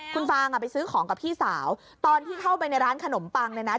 คุณฟางอ่ะไปซื้อของกับพี่สาวตอนที่เข้าไปในร้านขนมปังเนี่ยนะ